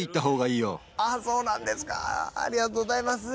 あっそうなんですかありがとうございます。